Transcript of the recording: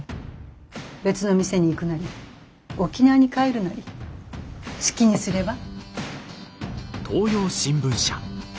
別の店に行くなり沖縄に帰るなり好きにすれば？